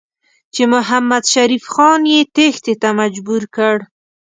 چې محمدشریف خان یې تېښتې ته مجبور کړ.